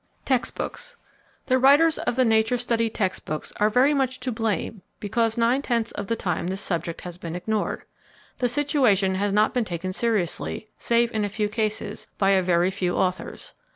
Text Books. —The writers of the nature study text books are very much to blame because nine tenths of the time this subject has been ignored. The situation has not been taken seriously, save in a few cases, by a very few authors.